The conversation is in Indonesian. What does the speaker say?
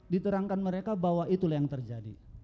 diterangkan mereka bahwa itulah yang terjadi